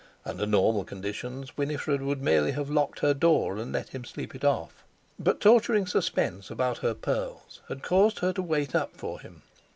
Under normal conditions Winifred would merely have locked her door and let him sleep it off, but torturing suspense about her pearls had caused her to wait up for him.